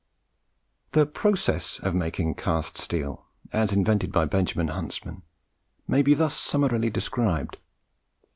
The process of making cast steel, as invented by Benjamin Huntsman, may be thus summarily described.